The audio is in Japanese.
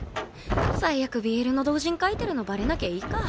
最悪ＢＬの同人描いてるのバレなきゃいいか。